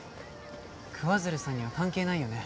桑鶴さんには関係ないよね？